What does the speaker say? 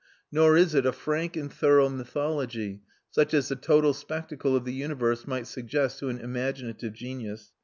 Nor is it a frank and thorough mythology, such as the total spectacle of the universe might suggest to an imaginative genius.